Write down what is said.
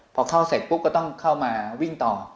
พอเข้าเสร็จปุ๊บก็ต้องเข้ามาวิ่งต่อ